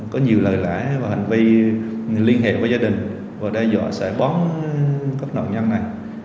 có nhiều lời lãi và hành vi liên hệ với gia đình và đe dọa sẽ bóng các nội nhân này